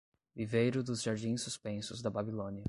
Viveiro dos jardins suspensos da Babilônia